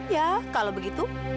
ya kalau begitu